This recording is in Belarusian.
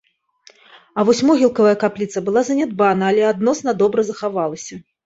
А вось могілкавая капліца была занядбана, але адносна добра захавалася.